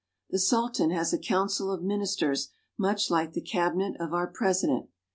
The Sultan has a council of ministers much like the Cabi net of our President.